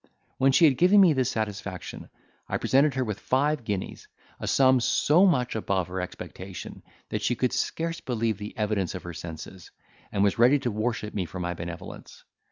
When she had given me this satisfaction, I presented her with five guineas, a sum so much above her expectation, that she could scarce believe the evidence of her senses, and was ready to worship me for my benevolence.